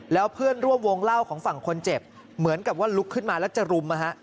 แล้วเพื่อนร่วมวงเล่าของฝั่งคนเจ็บเหมือนกับว่าลุกขึ้นมาแล้วจะรุม